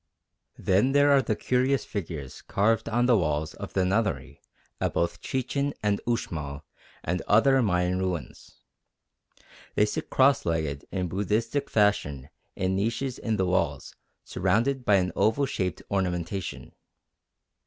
Then there are the curious figures carved on the walls of the Nunnery at both Chichen and Uxmal and on other Mayan ruins. They sit cross legged in Buddhistic fashion in niches in the walls surrounded by an oval shaped ornamentation.